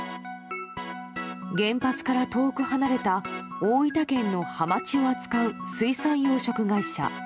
原発から遠く離れた大分県のハマチを扱う水産養殖会社。